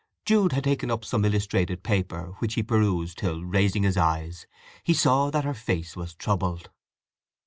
Jude had taken up some illustrated paper, which he perused till, raising his eyes, he saw that her face was troubled.